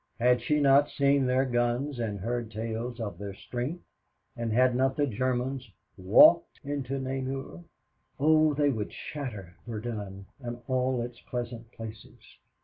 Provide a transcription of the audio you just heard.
Had she not seen their guns and heard tales of their strength, and had not the Germans walked into Namur? Oh, they would shatter Verdun and all its pleasant places.